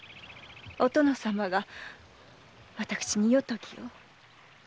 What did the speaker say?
お殿様が私に夜伽を。